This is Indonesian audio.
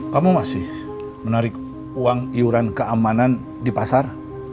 kamu masih menarik uang iuran keamanan di pasar